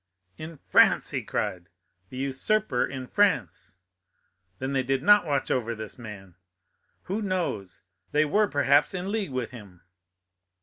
"In France!" he cried, "the usurper in France! Then they did not watch over this man. Who knows? they were, perhaps, in league with him."